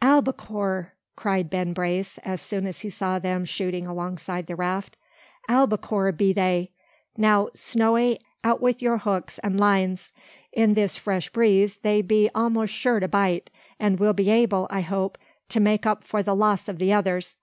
"Albacore!" cried Ben Brace, as soon as he saw them shooting alongside the raft. "Albacore be they. Now, Snowy, out wi' your hooks an' lines. In this fresh breeze they be a'most sure to bite; and we'll be able, I hope, to make up for the loss o' the others.